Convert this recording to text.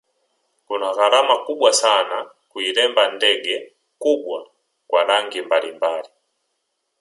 Kuna gharama kubwa sana kuiremba ndege kubwa kwa rangi mbalimbali